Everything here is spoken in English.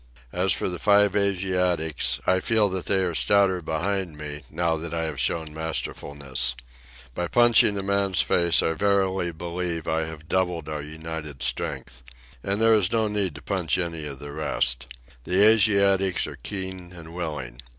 As for the five Asiatics, I feel that they are stouter behind me now that I have shown masterfulness. By punching a man's face I verily believe I have doubled our united strength. And there is no need to punch any of the rest. The Asiatics are keen and willing.